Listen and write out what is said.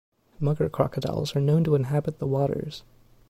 Mugger crocodiles are known to inhabit the waters.